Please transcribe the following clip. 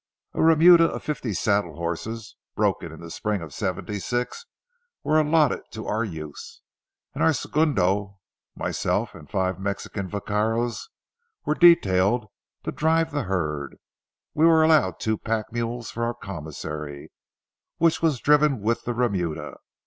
A remuda of fifty saddle horses, broken in the spring of '76, were allotted to our use, and our segundo, myself, and five Mexican vaqueros were detailed to drive the herd. We were allowed two pack mules for our commissary, which was driven with the remuda.